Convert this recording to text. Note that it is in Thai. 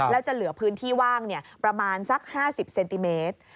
แล้วจะเหลือพื้นที่ว่างประมาณสัก๕๐เซนติเมตร